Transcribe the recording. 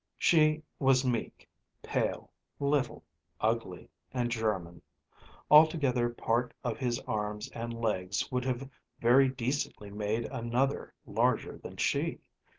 She was meek, pale, little, ugly, and German. Altogether part of his arms and legs would have very decently made another larger than she.